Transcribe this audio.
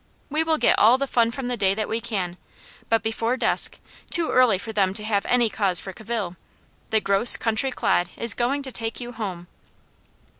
We will get all the fun from the day that we can; but before dusk, too early for them to have any cause for cavil, 'the gross country clod' is going to take you home!"